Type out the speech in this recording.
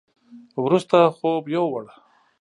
وروسته خوب يوووړ.